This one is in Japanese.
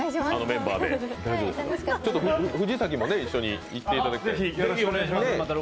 藤崎も一緒に行ってもらいたい。